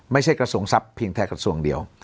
กระทรวงทรัพย์เพียงแค่กระทรวงเดียว